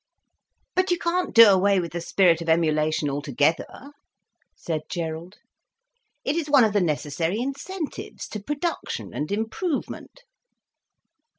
"But you can't do away with the spirit of emulation altogether?" said Gerald. "It is one of the necessary incentives to production and improvement."